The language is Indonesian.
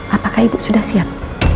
apakah ibu sudah siap